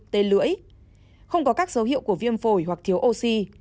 tên lưỡi không có các dấu hiệu của viêm phổi hoặc thiếu oxy